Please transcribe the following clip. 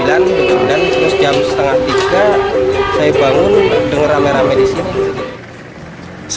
anggota tiket fungsi